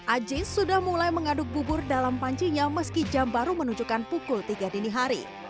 ajin sudah mulai mengaduk bubur dalam pancinya meski jam baru menunjukkan pukul tiga dini hari